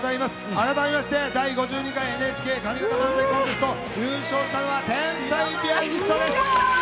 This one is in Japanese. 改めまして第５２回ＮＨＫ上方漫才コンテスト優勝したのは天才ピアニストです！